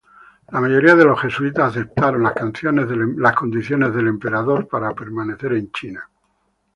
La mayoría de los jesuitas aceptaron las condiciones del emperador para permanecer en China.